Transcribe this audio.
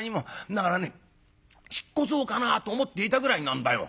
だからね引っ越そうかなと思っていたぐらいなんだよ。